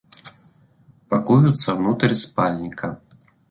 Пакуются внутрь спальника.